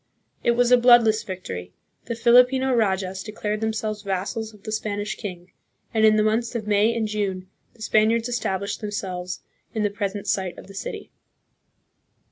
It was a bloodless victory. The Filipino rajas declared themselves vassals of the Spanish king, and in the months of May and June the Spaniards established themselves in the present site of the city.